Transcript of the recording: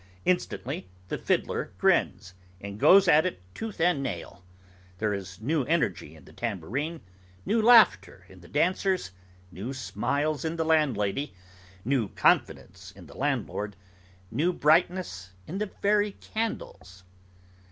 Instantly the fiddler grins, and goes at it tooth and nail; there is new energy in the tambourine; new laughter in the dancers; new smiles in the landlady; new confidence in the landlord; new brightness in the very candles.